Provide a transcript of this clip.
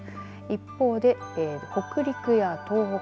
一方で北陸や東北